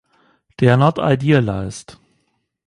They are not idealized.